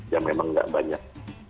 yang memang tidak banyak